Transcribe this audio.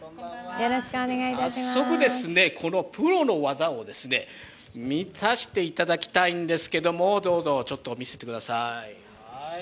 早速、このプロの技を見させていただきたいんですけど、ちょっと見せてください。